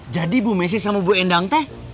jadi bu messi sama bu endang teh